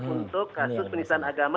untuk kasus penisahan agama